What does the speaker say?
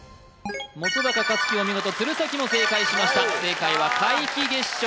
本克樹お見事鶴崎も正解しました